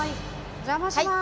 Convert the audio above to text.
お邪魔します。